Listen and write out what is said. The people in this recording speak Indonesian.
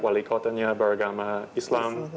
wali kotanya beragama islam